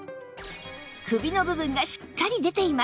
首の部分がしっかり出ています